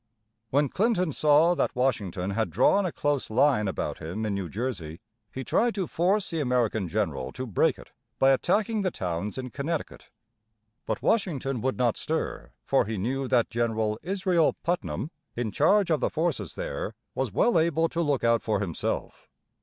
When Clinton saw that Washington had drawn a close line about him in New Jersey, he tried to force the American general to break it by attacking the towns in Connecticut. But Washington would not stir, for he knew that General Israel Putnam, in charge of the forces there, was well able to look out for himself.